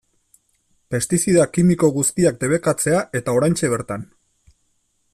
Pestizida kimiko guztiak debekatzea eta oraintxe bertan.